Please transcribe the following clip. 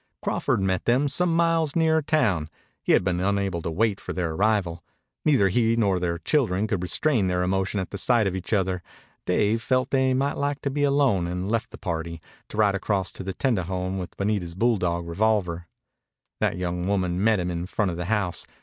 Crawford met them some miles nearer town. He had been unable to wait for their arrival. Neither he nor the children could restrain their emotion at sight of each other. Dave felt they might like to be alone and he left the party, to ride across to the tendejon with Bonita's bulldog revolver. That young woman met him in front of the house.